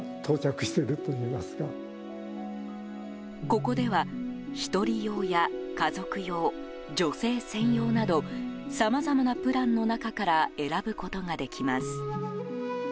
ここでは１人用や家族用、女性専用などさまざまなプランの中から選ぶことができます。